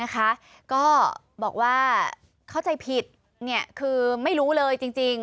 ก็บอกว่าเข้าใจผิดคือไม่รู้เลยจริง